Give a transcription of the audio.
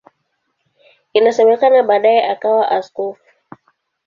Inasemekana baadaye akawa askofu.